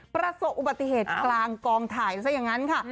ประสบอุบัติเหตุกลางกองถ่ายซะอย่างนั้นค่ะ